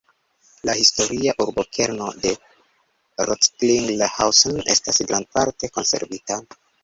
La historia urbokerno de Recklinghausen estas grandparte konservita.